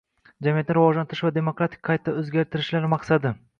jamiyatni rivojlantirish va demokratik qayta o`zgartirishlar maqsadi